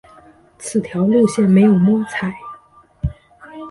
此条路线没有摸彩